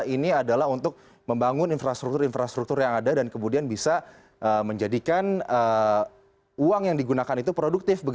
ini adalah untuk membangun infrastruktur infrastruktur yang ada dan kemudian bisa menjadikan uang yang digunakan itu produktif